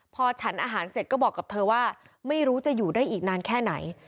พอฉันอาหารเสร็จก็บอกกับเธอว่าไม่รู้จะอยู่ได้อีกนานแค่ไหน